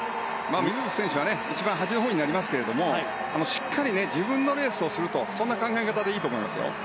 水口選手は一番端になりますがしっかり自分のレースをするとそんな考え方でいいと思いますよ。